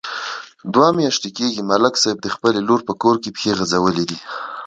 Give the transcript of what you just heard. دوه میاشتې کېږي، ملک صاحب د خپلې لور په کور کې پښې غځولې دي.